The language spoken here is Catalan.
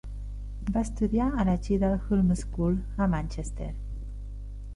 Va estudiar a la Cheadle Hulme School a Manchester.